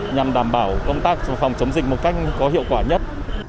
nhằm đảm bảo công tác phòng chống dịch một cách có hiệu quả nhất